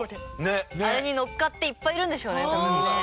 あれに乗っかっていっぱいいるんでしょうね多分ね。